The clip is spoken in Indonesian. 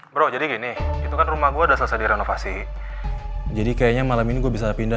bro jadi gini itu kan rumah gue udah selesai direnovasi jadi kayaknya malam ini gue bisa pindah